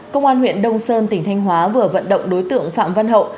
công an huyện đông sơn tỉnh thanh hóa vừa vận động đối tượng phạm văn hậu